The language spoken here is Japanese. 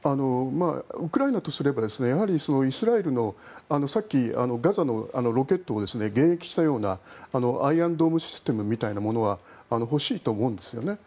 ウクライナとすればイスラエルのさっき、ガザのロケットを迎撃したようなアイアンドームシステムみたいなものは欲しいと思うんですよね。